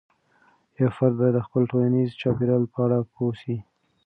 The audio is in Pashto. یو فرد باید د خپل ټولنيزې چاپیریال په اړه پوه سي.